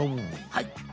はい。